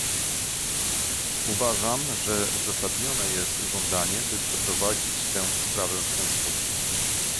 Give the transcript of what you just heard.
Uważam, że uzasadnione jest żądanie, by przeprowadzić tę sprawę w ten sposób